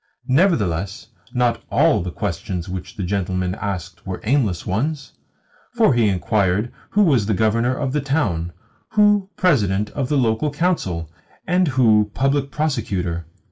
Nevertheless not ALL the questions which the gentleman asked were aimless ones, for he inquired who was Governor of the town, who President of the Local Council, and who Public Prosecutor.